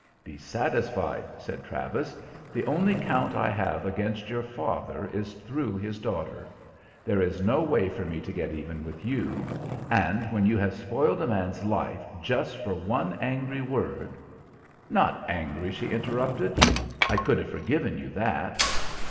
"Be satisfied," said Travis. "The only count I have against your father is through his daughter. There is no way for me to get even with you. And when you have spoiled a man's life just for one angry word" "Not angry," she interrupted. "I could have forgiven you that."